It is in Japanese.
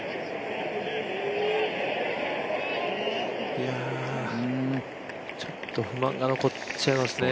いや、ちょっと不満が残っちゃいますね。